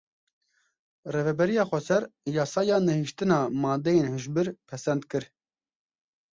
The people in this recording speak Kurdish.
Rêveberiya Xweser yasaya nehîştina madeyên hişbir pesend kir.